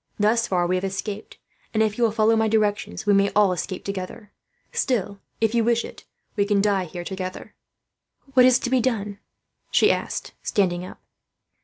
Thus far we have escaped and, if you will follow my directions, we may all escape together. Still, if you wish it, we can die here together." "What is to be done?" she asked, standing up.